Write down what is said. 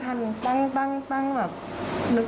อ๋อฉันตั้งชั้นตั้งแบบ